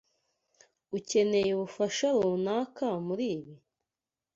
Ukeneye ubufasha runaka muribi?